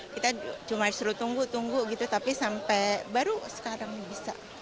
kita cuma suruh tunggu tunggu gitu tapi sampai baru sekarang bisa